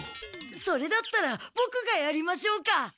それだったらボクがやりましょうか。